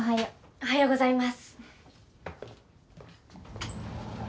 おはようございます。